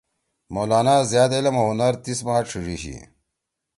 مولانا زیاد علم او ہُنر تیسما چھیڙی شی۔